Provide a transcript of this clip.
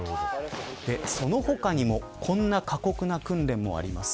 その他にもこんな過酷な訓練もあります。